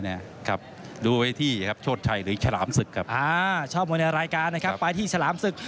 ดูวิวที่โชชัยหรือชาหลามศึก